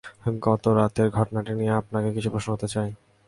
গত রাতের ঘটনাটা নিয়ে আপনাকে কিছু প্রশ্ন করতে চাই।